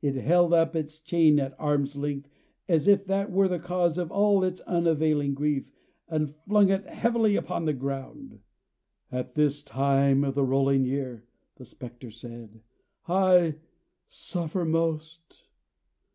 It held up its chain at arm's length, as if that were the cause of all its unavailing grief, and flung it heavily upon the ground again. "At this time of the rolling year," the Spectre said, "I suffer most.